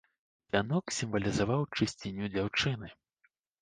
Вянок сімвалізаваў чысціню дзяўчыны.